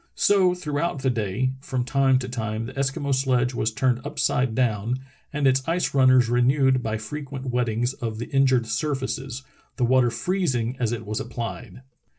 So throughout the day, from time to time the Eskimo sledge was turned upside down, and its ice runners renewed by frequent wettings of the injured surfaces, the water freezing as it was applied.